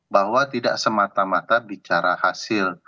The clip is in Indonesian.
bahwa tidak semata mata bicara hasil